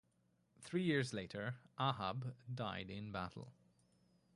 Three years later, Ahab died in battle.